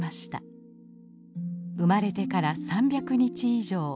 生まれてから３００日以上。